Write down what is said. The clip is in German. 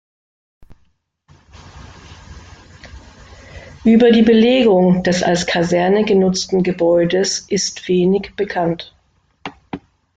Über die Belegung des als Kaserne weiter genutzten Gebäudes ist wenig bekannt.